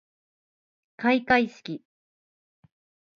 開会式